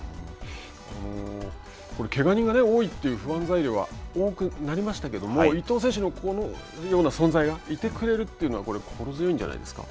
けが人が多いという不安材料は多くなりましたけども、伊東選手の、このような存在がいてくれるというのは、心強いんじゃないですか。